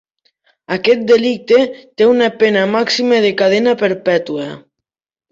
Aquest delicte té una pena màxima de cadena perpetua.